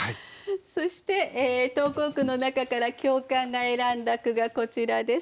そして投稿句の中から教官が選んだ句がこちらです。